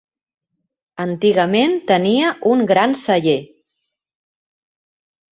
Antigament tenia un gran celler.